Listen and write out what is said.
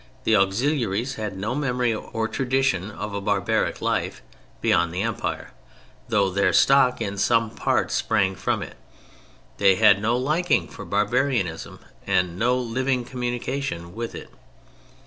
The auxiliaries had no memory or tradition of a barbaric life beyond the Empire, though their stock in some part sprang from it; they had no liking for barbarism, and no living communication with it.